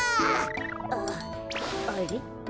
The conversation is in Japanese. あっあれ？